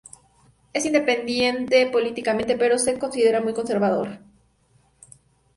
Es independiente políticamente pero se le considera muy conservador.